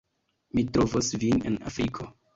Mi trovos vin en Afriko